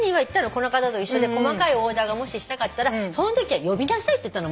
この方と一緒で細かいオーダーがもししたかったらそのときには呼びなさいって言ったの。